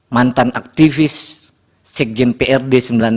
mantan aktivis sekjen prd sembilan puluh enam